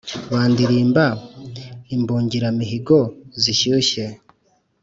Bandilimba imbungiramihigo zishyushye